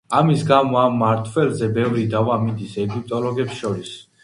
ამის გამო ამ მმართველზე ბევრი დავა მიდის ეგვიპტოლოგებს შორის.